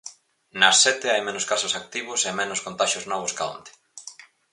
Nas sete hai menos casos activos e menos contaxios novos ca onte.